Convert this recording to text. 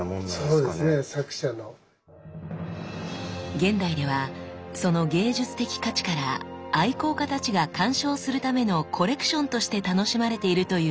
現代ではその芸術的価値から愛好家たちが観賞するためのコレクションとして楽しまれているという鐔。